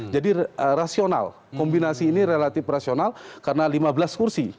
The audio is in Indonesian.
jadi rasional kombinasi ini relatif rasional karena lima belas kursi